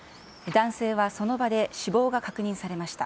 男性はその場で死亡が確認されました。